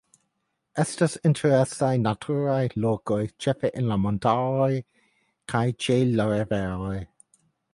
Estas interesaj naturaj lokoj ĉefe en la montaroj kaj ĉe la riveroj.